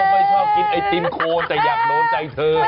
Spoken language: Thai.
ไม่ชอบกินไอติมโคนแต่อยากโดนใจเธอ